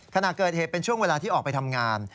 ขณะเกิดเหตุเป็นช่วงเวลาที่ออกไปทำงาน